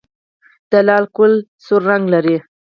د لاله ګل سور رنګ لري